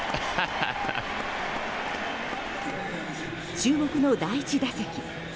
注目の第１打席。